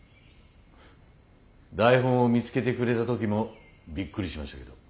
台本を見つけてくれた時もびっくりしましたけど。